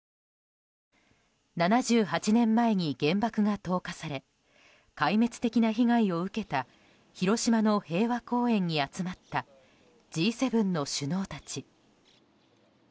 ７８年前に原爆が投下され壊滅的な被害を受けた広島の平和公園に集まったＧ７の首脳たち。